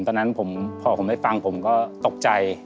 ตอนนั้นพอผมได้ฟังผมก็ตกใจ